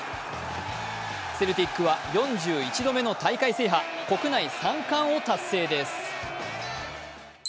セルティックは４１度目の大会制覇、国内３冠を達成です。